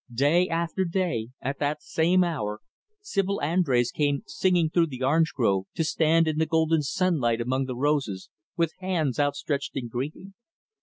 Day after day, at that same hour, Sibyl Andrés came singing through the orange grove, to stand in the golden sunlight among the roses, with hands outstretched in greeting.